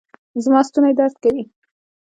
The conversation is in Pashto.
زما ستونی درد کوي